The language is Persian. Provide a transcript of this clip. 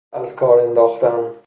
ازکارانداختن